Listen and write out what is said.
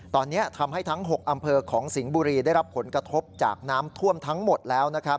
ตอนนี้ทำให้ทั้ง๖อำเภอของสิงห์บุรีได้รับผลกระทบจากน้ำท่วมทั้งหมดแล้วนะครับ